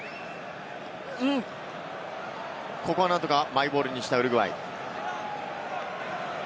ここは何とかマイボールにしたウルグアイ。